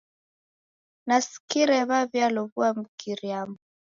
Nasikire wa'w'ialow'ua Giriyama.